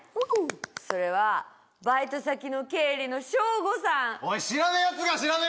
それはバイト先の経理のしょうごさんおい